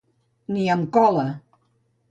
Ni amb cola.